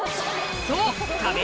そう！